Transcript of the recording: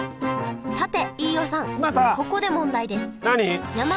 さて飯尾さんここで問題ですまた！